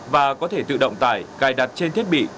và có thể tự động tải cài đặt trên thiết bị